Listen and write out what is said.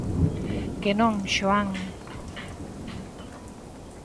Que non, Xoán.